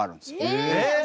えっ！？